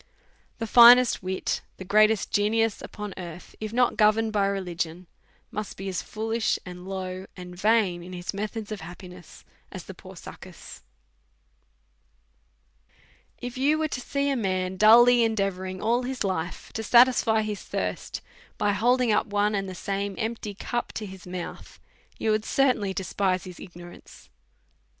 The finest wit, the greatest genius upon earth, if not governed by religion, must be as foolish, and low, and vain in his methods of happiness, as the poor Succus, DEVOUT AND HOLY LIFE. 14& If you was to see a man dully endeavouring all his life to satisfy his thirst, by holding up one and the same empty cup to his mouth, you would certainly de spise his ignorance.